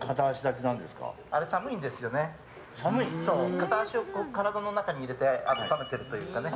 片足を体の中に入れて温めているというか。